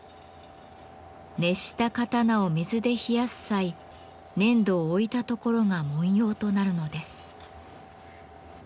熱した刀を水で冷やす際粘土を置いた所が文様となるのです。